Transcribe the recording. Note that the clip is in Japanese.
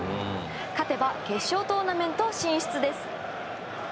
勝てば決勝トーナメント進出です。